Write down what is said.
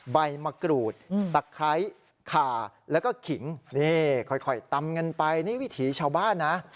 ใบมะกรูดตะไคร้ขาแล้วก็ขิงนี่ค่อยตำกันไปนี่วิถีชาวบ้านนะ